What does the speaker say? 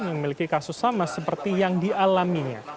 yang memiliki kasus sama seperti yang dialaminya